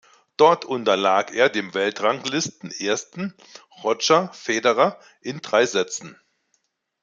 Dort unterlag er dem Weltranglistenersten Roger Federer in drei Sätzen.